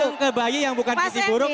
dia datang ke bayi yang bukan gizi buruk